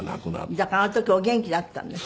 だからあの時お元気だったんでしょ？